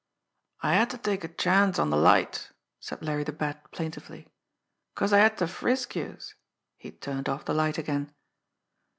"I had ter take a chance on de light," said Larry the Bat plaintively; "'cause I had ter frisk youse." He turned off the light again.